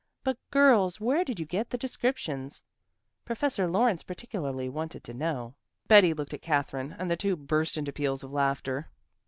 But girls, where did you get the descriptions? Professor Lawrence particularly wanted to know." Betty looked at Katherine and the two burst into peals of laughter.